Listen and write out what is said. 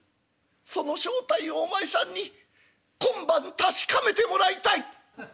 その正体をお前さんに今晩確かめてもらいたい！」。